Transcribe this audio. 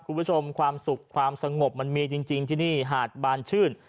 คุณผู้ชมความสุขความสงบมันมีจริงที่นี่หาดบานชื่น